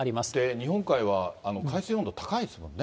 日本海は、海水温度高いですもんね。